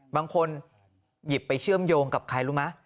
บางคนหยิบไปเชื่อมโยงกับใครรู้ไหม